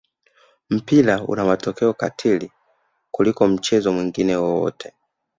mpira una matokeo katili kuliko mchezo mwingine wowote